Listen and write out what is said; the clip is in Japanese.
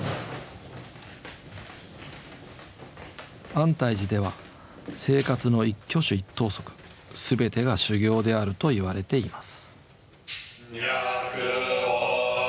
安泰寺では生活の一挙手一投足全てが修行であると言われています。